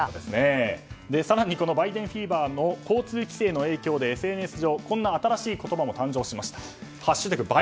更にバイデンフィーバーの交通規制の影響でＳＮＳ上こんな新しい言葉もできました。